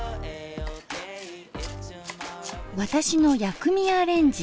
私の薬味アレンジ。